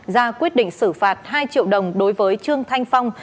ra quyết định xử phạt hai triệu đồng đối với trương thanh phong